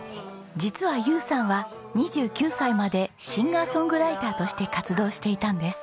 実は友さんは２９歳までシンガー・ソングライターとして活動していたんです。